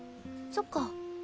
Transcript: そっか。